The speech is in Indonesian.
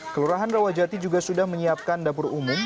kelurahan rawajati juga sudah menyiapkan dapur umum